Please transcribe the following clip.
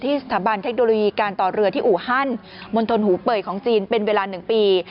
สถาบันเทคโนโลยีการต่อเรือที่อูฮันมณฑลหูเป่ยของจีนเป็นเวลา๑ปี